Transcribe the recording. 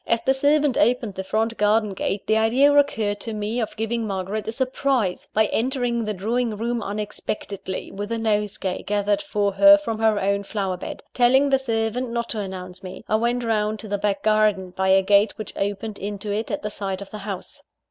As the servant opened the front garden gate, the idea occurred to me of giving Margaret a surprise, by entering the drawing room unexpectedly, with a nosegay gathered for her from her own flower bed. Telling the servant not to announce me, I went round to the back garden, by a gate which opened into it at the side of the house.